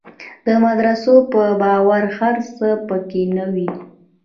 د مدرسو په باور هر څه په کې نه وي.